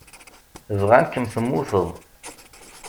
Bɣan-kem temmuteḍ.